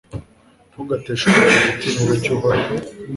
ntugateshuke ku gitinyiro cy'uhoraho